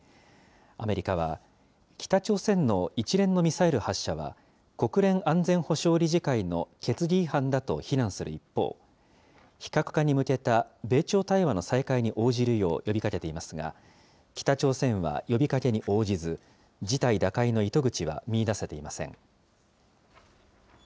アメリカは北朝鮮の一連のミサイル発射は、国連安全保障理事会の決議違反だと非難する一方、非核化に向けた米朝対話の再開に応じるよう、呼びかけていますが、北朝鮮は呼びかけに応じず、事態打開の糸口は見いだせていません。